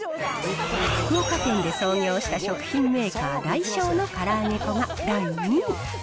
福岡県で創業した食品メーカー、ダイショーのから揚げ粉が第２位。